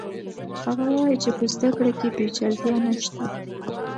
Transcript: هغه وایي چې په زده کړه کې پیچلتیا نشته.